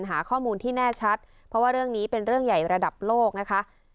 หาข้อมูลที่แน่ชัดเพราะว่าเรื่องนี้เป็นเรื่องใหญ่ระดับโลกนะคะ